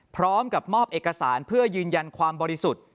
พร้อมกับมอบเอกสารเพื่อยืนยันความบริสุทธิ์